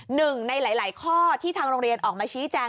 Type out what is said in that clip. หนึ่งในหลายข้อที่ทางโรงเรียนออกมาชี้แจง